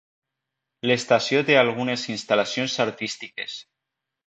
L'estació té algunes instal·lacions artístiques.